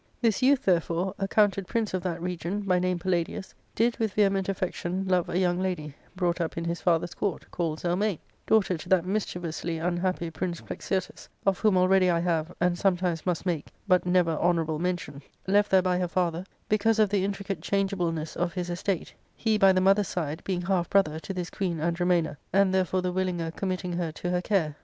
This youth, therefore, accounted prince of that region, by name Palladius, did with vehement affection love a young lady, brought up in his father's court, called Zelmane, daughter to that mischievously unhappy Prince Plexirtus, of whom already I have, and sometimes must make, but never honour able mention; left there by her father, because of the intricate changeableness of his estate, he, by the mother's side, being half brotjier to this Queen Andromana, and therefore the willinger committing her to her care.